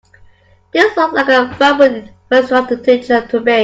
This looks like a viable infrastructure to me.